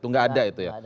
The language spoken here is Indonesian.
nggak ada itu ya